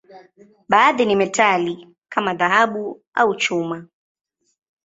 Baadhi ni metali, kama dhahabu au chuma.